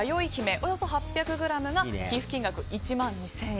およそ８００ｇが寄付金額１万２０００円。